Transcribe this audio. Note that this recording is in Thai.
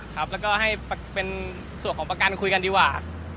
ครับแล้วก็ให้เป็นส่วนของประกันคุยกันดีกว่า